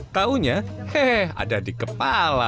taunya hehehe ada di kepala